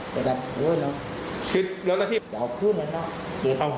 แล้วนัทที่ยังใช้ตัวเนื้อก่อน